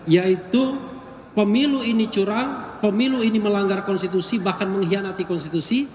yaitu pemilu ini curang pemilu ini melanggar konstitusi bahkan mengkhianati konstitusi